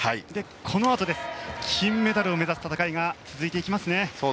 このあとです、金メダルを目指す戦いが続いてきますね。